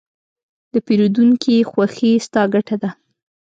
د پیرودونکي خوښي، ستا ګټه ده.